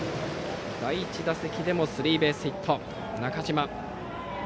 第１打席でもスリーベースヒットの中島。